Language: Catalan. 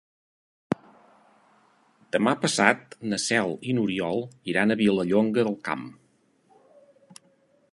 Demà passat na Cel i n'Oriol iran a Vilallonga del Camp.